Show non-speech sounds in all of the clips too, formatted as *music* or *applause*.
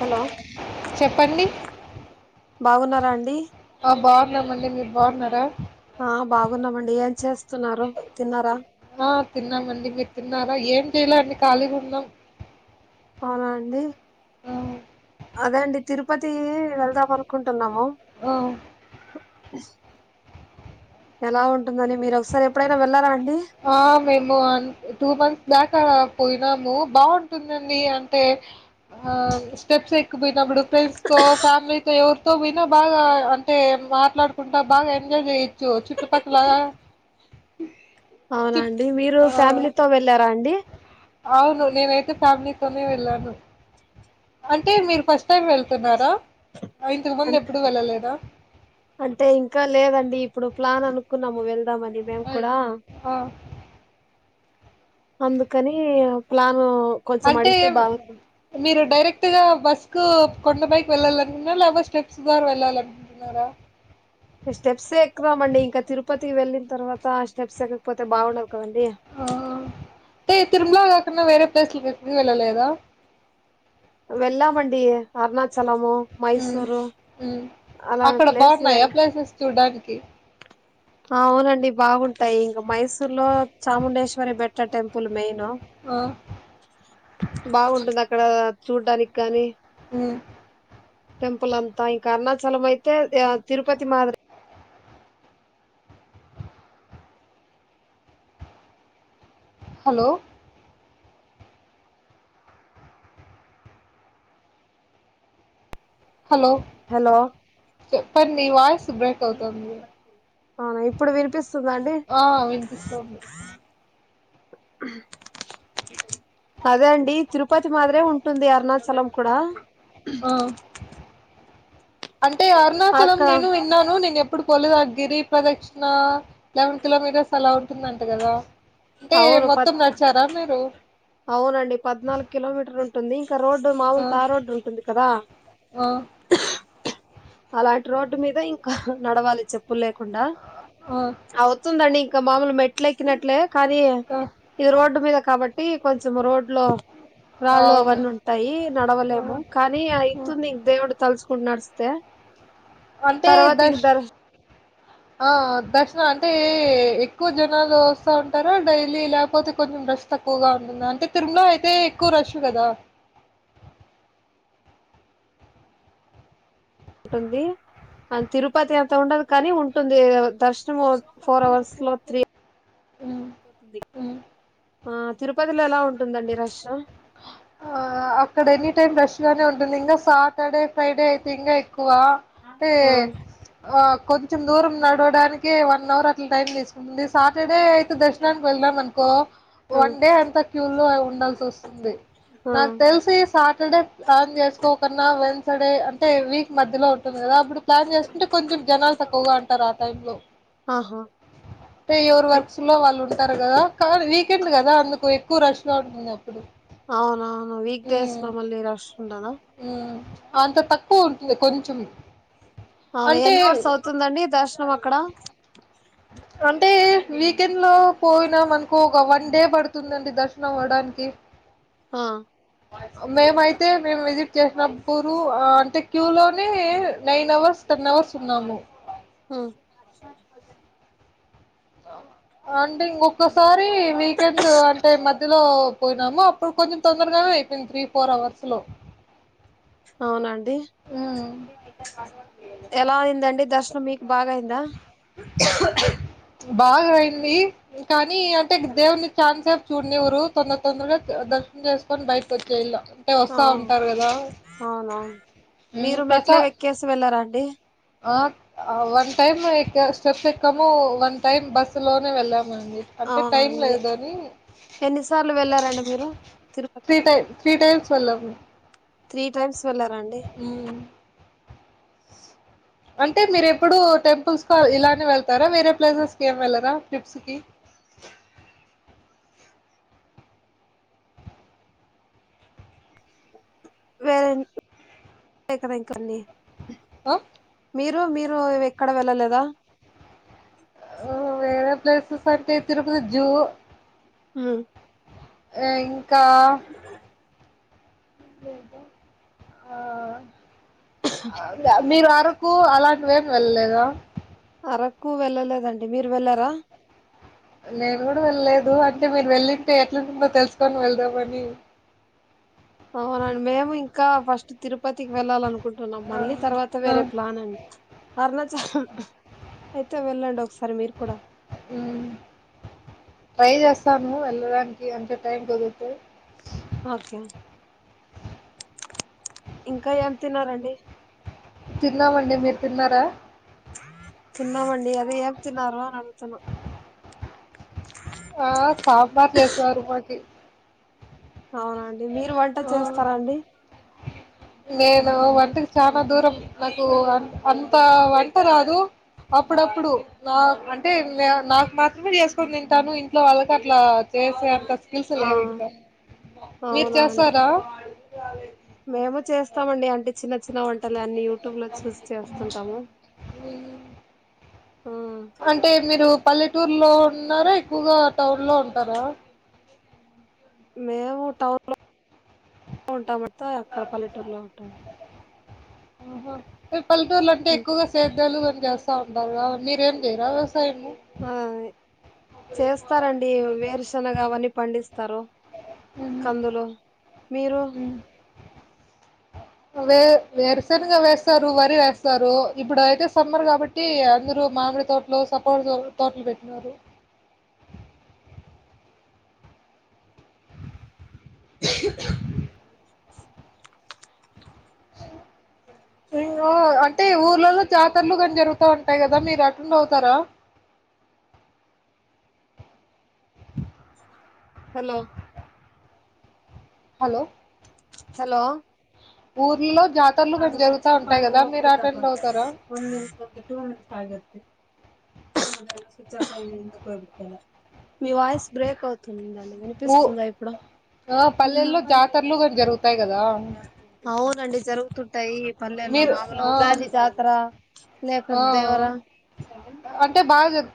Hello చెప్పండి హహ బాగున్నారా అండి బాగున్నామండి మీరు బాగున్నారా ఆ బాగున్నామండి ఏం చేస్తున్నారు తిన్నారా ఆ తిన్నామండి మీరు తిన్నారా ఏం చేయలే అడి ఖాళీగా ఉన్నాం అవునా అండి ఆ అదే అండి తిరుపతి వెళ్దాం అనుకుంటున్నాము ఓ ఆ ఎలా ఉంటుందని మీరు ఒకసారి ఎప్పుడైనా వెళ్లారంటడి ఆ మేమున్ టూ మంత్స్ బ్యాక్ క్క పోయినాము బాగుంటుందండి అంటే ఆ స్టెప్స్ ఎక్కుపోయినప్పుడు ఫ్రెండ్స్ త ఫ్యామిలీతో ఎవరితో పోనా బాగా అంటే మాట్లాడుకుంటా బాగా ఎంజాయ్ చెయచ్చు చుట్టుపక్కల చి అవునండి మీరు ఆ ఫ్యామిలీతో వెళ్ళారా అండి అవును నేనైతే ఫ్యామిలీతోనే వెళ్ళాను అంటే మీరు ఫస్ట్ టైం వెళ్తున్నారా ఇంతకు మంది అన్ ఎప్పుడు వెళ్ళలేదా కున్నాము వెళ్దామని మేం కూడా ఆ అందుకని ప్లాన్ అంటే మీరు డైరెక్ట్ గా బస్ కొండ బైకి వెళ్ళాల అనుంటున్న లే స్టెప్స్ ద్వారా వెళ్ళాలినుకుంటున్నారా స్టెప్స్ఎక్కుదామండి ఇంకా తిరుపతికి వెళ్ళిన తర్వాత స్టెప్స్ ఎక్కకపోతే బాగుండ కొండి ఆ అంటే తిరుమల కాకన్నా వరే ప్లేస్లు ఎప్పుడు వెళ్ళలేదా వెల్లమండి అరుణాచలం ఉమ్ ఉమ్ అలాంటి అక్కడ ప్లేస్లు బాగున్నాయా వెళ్ళ ప్లేసెస్ చూడ్డాని కి అవునండి బాగుంటాయి ఇంక మైసూర్ లో చాముండేశ్వరి బెట్ట టెంపుల్ మెయిన్ ఆ బాగుంటుంది అక్కడ చూడడానికి కానీ ఉమ్ టెంపుల్ అంతా ఇంకా అరుణాచలం అయితే తిరుపతి మాధరి హలో హలో హలో చెపాండి మి నివాస అవునా ఇప్పుడు వినిపిస్తుందా అండి ఆ వినిపిస్తుంది అదే అండి తిరుపతి మాదిరే ఉంటుంది అరుణాచలం కూడా ఆ అంటే అరుణాచలం అక్క నేను విన్నాను నేను పప్పుడుకోలేధా గిరిప్ ప్రదక్షిణ లెకున్ కిలోమీటర్స్ అలా ఉంటుందంట కదా అంటే అవును పద్ మొత్తం నడిచారా మీరు అవునండి పద్నాలుగు కిలోమీటర్ ఉంటు ఉంటంది ఇంకా రోడ్డు ఆ మామూలు త రోడ్డు ఉంటుంది కదా ఆ అలాంటి రోడ్డు మీద ఇంకా నడవాలి చెప్పులే కుండా ఆ అవుతుందం అవతుంధండి ఇక మామలు మెట్ల ఎక్కినట్లే కది ఆ ఇది రోడ్డు మీద కాబట్టి కొంచెం రోడ్ లో రాళ్ళు అవును అవన్నీ ఉంటాయి ఆ, నడవలేము కానీ అయితుంది దేవుడు తలుసు కున్ నడిస్తే అంటే తర్వాత ఇంక దష్ దర్శనం ఆ దర్శన అంటే ఎక్కువ జనాలు వస్తా ఉంటారా డైలీ లేకపోతే కొంచెం రష్ తక్కువగా ఉంటుందా అంటే తిరుమలో అయితే ఎక్కువ రష్ కదా ఉంటుంది అండ్ తిరుపతి అంత ఉండదు కానీ ఉంటుంది దర్శనం ఫోర్ అవర్స్ లో త్రీ ఉమ్ పోతుంధి ఉమ్ ఆ తిరుపతిలో ఎలా ఉంటుందండి రష ఆ అక్కడ ఎనీ టైమ్ ఫ్రెష్ గానే ఉంటుంది ఇంకా సాటర్డే ఫ్రైడే అయితే ఇంగ ఆ *unintelligible* *inaudible* కొంచెం దూరం నడవడానికి వన్ న్ అవర్ అట్ల టైం తీసుకు సాటర్డే అయితె దర్శనానికి వెళ్దాం అనుకో వన్ డే అంతా క్యూ లో ఉండాల్సి వస్తుంది ఆ నాకు తెలిసి సాటర్డే ప్లాన్ చేసుకోకున్నా వెన్సడె అంటే వీక్ మధ్య మద్యలో ఉంటుంది కదా ఇప్పుడు ప్లాన్ చేస్తుంటే కొంచెం జనాలు తక్కువగా అంటారు ఆ టైం లొ ఆహా అంటే ఎవరు వి- వర్క్స్ లొ వాళ్ళు ఉంటారు కదా కానీ వీకెండ్ కదా అందుకు ఎక్కువ రష్ *unintelligible* అవును అవును వీక్ డేస్ లో మల్లి రష్ ఉండదా ఉం అంత తక్కువ ఉంటుంది కొంచెం అవున అంటే ఎన్ని అవర్స్ అవుతుందండి దర్శనం అక్కడ అంటే వీకెండ్ లో పోయినామనకో ఒక వన్ డే పడుతుందండి దర్శనం అవడానికి ఆ మే మయి తే మేము విజిట్ చేసినబ్బురు అంటె క్యూ లోనే నైన్ అవర్స్ టెన్ అవర్స్ ఉన్నాము అ అన్ టె ఇంకోక్కసారి వీకెండ్ అంటే మధ్య లొ పోయినామా అప్ ప్పుడు కొంచెం తందరగానె అయిపోయింది త్రీ ఫోర్ అవర్స్లో అవునండి ఎలా అయిందండి దర్శనం మీకు బాగా అయింద బాగా అయింది కానీ అంటే దేవుని ఛాన సేప్ చూడనివరు తొందర తొందరగా దర్శనం చేసుకొని బయటకి వచ్చేయల్ల అ అవునవును ఉమ్, మీరు ప్రసా మెట్లే ఎక్కేసి వెళ్ళార అండి ఆ వన్ టైమ్ ఎక్కె స్టెప్స్ ఎక్కము వన్ టైమ్ బస్సు లోనే వెళ్ళాము అండి అంటే టైం అవునండి లేదు అని ఎన్నిసార్లు వెళ్ళారండి మీరు Tirupati free time three times వెళ్లాము త్రీ టైమ్స్ వెళ్ళారా అండి అంటే మీరు ఎప్పుడుూ టెంపుల్స్ కు ఇలానే వెళ్తారా వేరే ప్లేసెస్కి ఏమి వెళ్లరా ట్రిప్స్ కి వేరకదాన్న ఆ మీరు మీరు ఎక్కడ వెళ్ళలేదా వేర ప్లేసస్ అయింటతేరు జూ హ ఆ క్క ద ఆ అ మీరు అరకు అలాంటివేమి వెళ్ళలేదా అరకు వెళ్ళలేదండి మీరు వెళ్లారా నేను కూడా వెళ్ళలేదు అంటే మీరు వెళ్ళింటే ఎట్లుంటుందో తెలుసుకొని వెళ్దామని అవునండి మేము ఇంకా ఫస్ట్ తిరుపతికి వెళ్ళాల అనుకుంటన్నాము కుంటున్నాం ఆ! మళ్ళీ తర్వాత ఆ! వేరే ప్లాన్ అండి అరుణచాలం అయితే వెళ్ళండి ఒకసారి మీరు కూడా ట్రై చేస్తాను వెళ్ళటానికి అంత టైమ్ కుదిరితే ఓకే ఇంకా ఏం తిన్నారండి తిన్నామండి మీరు తిన్నారా తిన్నామండీ మీరు ఏం తిన్నారు అని అడుగుతున్నా ఆ సాంబార్ చేసారు మాకి అవునండి మీరు వంట ఆ! చేస్తారా అండి నేను వంటకి చనా దూరం నాకు అంత వంట రాదు అప్పుడప్పుడు నా అంటే నాకు మాత్రమే చేసుకుని తింటాను ఇంట్లో వాళ్ళకి అట్లా చేసే అంత స్కిల్స్ ఆ లేవు ఇంకా మీరు అవునా అండి చేస్తారా ఇస్తామండి అంటే చిన్న చిన్న వంట వంటలు అన్ని యూట్యూబ్ లో చూసిస్తుంటాము అంటే మీరు పల్లెటూరులో ఉన్నారా ఎక్కువగా టౌన్ లో ఉంటారా మేము టౌన్ లోనే ఉంటామండి అంతా అక్కడ పల్లెటూరులో ఉంటాము ఆహో పల్లటూరులు అంట ఎక్కువగా సద్ద్దాలు జసా ఉందగా నిరేలు లేరా ఆ చేస్తారండి వేరుశనగా అవన్నీ పండిస్త ఇస్తారు ఉహు, కందులు మీరు ఉమ్. వే వేరుసనుగా వేస్తారు వరి వేస్తారు ఇప్పుడు అయితే సమ్మర్ కాబట్టి అందరు మామిడి తోటలు సపోట తోటలు పెట్టినారు అంటే ఊర్లలో జాతర్లు కానీ జరుగుతా ఉంటాయి కదా మీరు అటెండ్ అవుతారా హలో హలో హలో ఊర్లో అద స్విచ్ ఆఫ్ ఆ ఓపిక తక్కువ *inaudible* అవుతారా మీ వయిస్ బ్రేక్ అవుతుంది ఊ వినిపిస్తుందా ఇప్పుడు ఆ పల్లెల్లో జాతరలు కూడా జరుగుతాయి కదా అవునండి తుట్టయి పల్లెల్లో మీరు మాములు ఆ ఉగాది జాత లేక ఆ దేవరా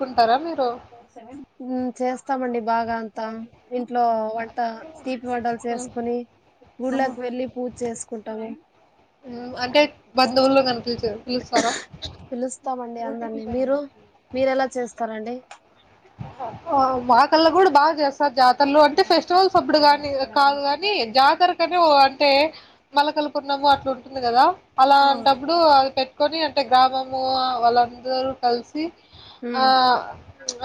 కుంటారా మీరు *inaudible* చేస్తామండి బాగా అంతా ఇంట్లో వంట తీపి వంటలు హ్మ్ చేసుకుని ఆహా గుళ్ళకి వెళ్ళి పూజ చేసుకుంటాము అంటే బంధువులో కనిపిలిచారు పిలుస్తామండి అందరినీ మీరు మీరు ఎలా చేస్తారండి మాకల్లా కూడా బాగా చేస్తారు జాతరలు అంటే ఫెస్టివల్స్ అప్పుడు కాని కాదు కాని జాతరకని అంటే మలకల్పుర్ణము అట్లా ఉంటుంది కదా మ్ అలాంటప్పుడు అది పెట్ కొని అంటే గ్రామము వాళ్ళందరూ కలిసి ఆ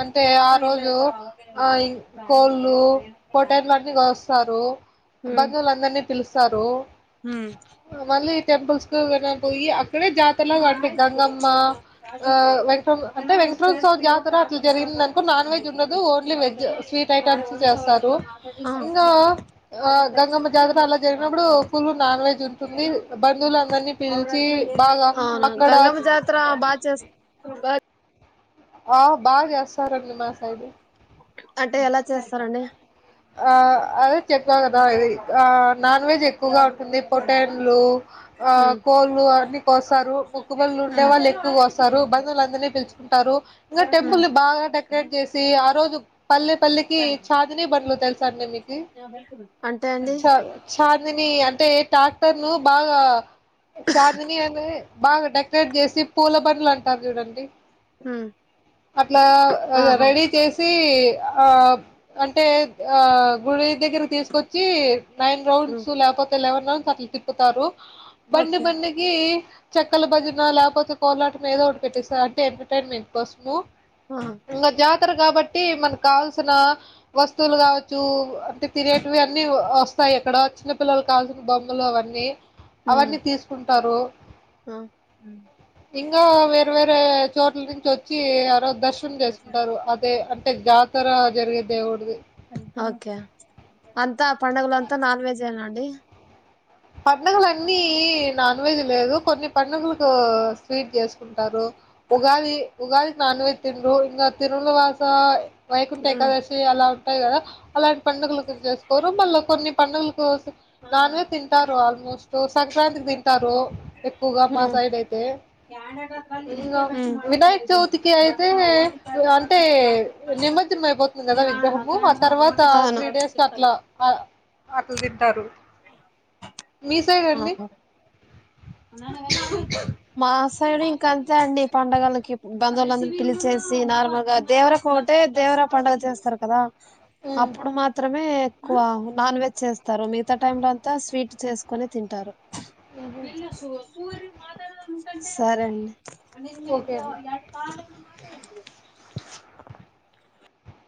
అ ఆ రోజు ఆ కోళ్ళు పొట్టేలు అన్ని కోస్తారు మ్ బంధువులు అందరినీ పిలుస్తారు మళ్ళీ టెంపుల్స్ కు విన పోయి అక్కడే జాతరలాగా అంటే గంగమ్మ ఆ వెంక అ వెంకటోత్సవ జాతర అట్లా జరిగింద నాన్ వెజ్ ఉన్నదు ఓన్లీ వెజ్ స్వీట్ ఐటమ్స్ చేస్తారు ఇంకా గంగమ్మ జాతర అలా జరిగినప్పుడు ఫుల్ నాన్ వెజ్ ఉంటుంది బంధువులు అందరినీ పిలిచి బాగా అవునా అక్కడ గంగమ్మ జాతర బాగా చేస్ ఆ బాగా చేస్తారు అండి మా సైడ్ అంటే ఎలా చేస్తారండి అదే చేప కదా అది ఆ నాన్ వెజ్ ఎక్కువగా ఉంటుంది పొటాన్లు ఆ మ్ కోళ్ళు అన్ని కోస్తారు పక్కు బళ్ు ఉండే మ్ వాళ్ళు ఎక్కువగా వస్తారు బంధులు అందరినీ పిలుచుకుంటారు ఇంకా టెంపుల్ ని బాగా డెకరేట్ చేసి ఆ రోజు పల్లె పల్లెకి చాందిని బడ్లు తెలుసా అండి మీకి అంటే అండి చ చాందిని అంటే టక్టర్ ను బాగా చాందిని అని బాగా డకరేట్ చేసి పూల బ *unintelligible* అంటారు చూడండి మ్ అట్లా అ ఆహా రెడీ చేసి అబ్ అంటే ఆ గుడి దగ్గర తీసుకొచ్చి నైన్ రోజులు మ్ ఫుల్ లేకపోతె లవడు లచ్చం *unintelligible* కి తిప్పుతారు బండి ఓకే బండికి చెక్కల భజన లేపోతే కోలాటం ఏదో ఒకటి పెట్టిస్తా అంటే ఎంటర్టైన్మెంత్ కోసము ఆ ఇంగా జాతర కాబట్టి కి మనకవాల్సిన వస్తువులు కావచ్చు అంటే తినేటివి అన్నీ వ వస్తాయి ఇక్కడ చిన్న పిల్లలు కావాల్సిన బొమ్మలు అన్ని ఉమ్ అవన్నీ తీసుకుంట తరు ఆ ఇంకా వేరు వేరే చోటు నుంచి వచ్చి ఆరోజు దర్శనం చేసుకుంటారు అదే అంటే జాతర రేప్ దేవుడిది ఓకే అంత ఆ పండుగలు అంత నాన్ వెజ్ ఇంతేనండి పండుగలన్నీ నాన్ వెజ్ లేదు కొన్ని పడుగలకు స్వీట్ చేస్తా ఉంటారు ఉగాది ఉగాది కి నాన్ వెజ్ తినరు ఇంకా తినని వాళ్ళు *unintelligible* వైకుంఠ ఉమ్ ఏకాదశి అలా ఉంటాయి కదా అలాంటి పండుగలకు చేసుకోరు మల్ల కొన్ని పండగలకు ఆ అల తింటారు ఆల్మోస్ట్ సంక్రాంతి తింటారు ఎక్కువగా మా ఉమ్ సైడ్ అయితే ఇంకా వినాయక చవితికి అయితే అంటే నిమజ్జనం అయిపోతుంది కదా విగ్రహము అతర్వాత అవును త్రీ డేస్ అట్లా ఆ అట్లు తింటారు మీ సైడ్ అండి ఆహా మా సైడు ఇంకా అంతే అండి పండుగలకి బంధువులందరి పిలిచేసి నార్మల్ గా దేవరరాకోనా అంటే దేవరా పండుగ చేస్తారు కదా అప్పుడు మాత్రమే క్కువ నాన్ వెజ్ చేస్తార మీర్? ఇంత టైంలో అంత స్వీట్ చేసుకోని తింటారు. సరే అండి. ఓకే అండి